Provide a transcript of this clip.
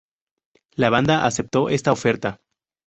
La banda aceptó esta oferta.